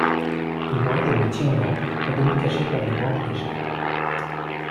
Et moi, je me tiens là, à demi caché par les branches des chênes.